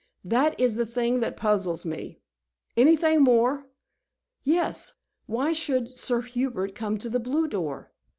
"That is the thing that puzzles me. Anything more?" "Yes? Why should Sir Hubert come to the blue door?"